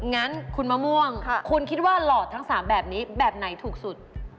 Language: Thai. งั้นคุณมะม่วงคุณคิดว่าหลอดทั้ง๓แบบนี้แบบไหนถูกสุด